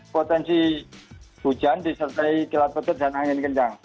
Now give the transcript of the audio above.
potensi hujan disertai gelap petir dan angin kencang